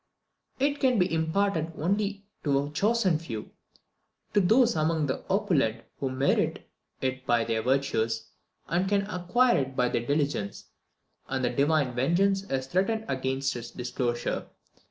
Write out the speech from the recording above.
It can be imparted only to a chosen few to those among the opulent who merit it by their virtues, and can acquire it by their diligence, and the divine vengeance is threatened against its disclosure.